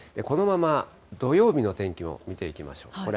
このまま土曜日の天気も見ていきましょう。